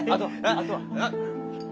あとは？